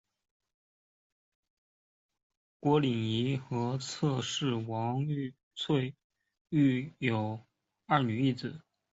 孔令贻和侧室王宝翠育有二女一子。